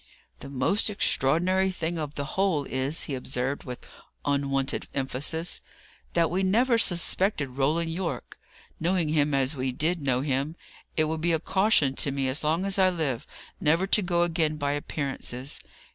"The most extraordinary thing of the whole is," he observed, with unwonted emphasis, "that we never suspected Roland Yorke, knowing him as we did know him. It will be a caution to me as long as I live, never to go again by appearances.